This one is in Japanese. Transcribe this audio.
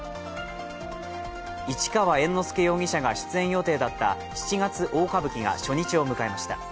市川猿之助容疑者が出演予定だった「七月大歌舞伎」が初日を迎えました。